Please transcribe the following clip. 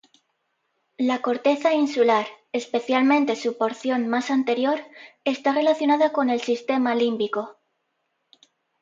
La corteza insular, especialmente su porción más anterior, está relacionada con el sistema límbico.